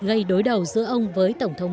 gây đối đầu giữa ông với tổng thống